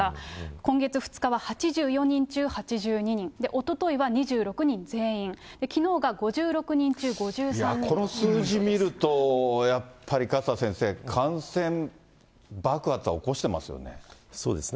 今月２日は８４人中８２人、おとといはおとといは２６人全員、きこの数字見ると、やっぱり勝田先生、感染爆発は起こしてますよね。